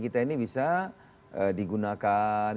kita ini bisa digunakan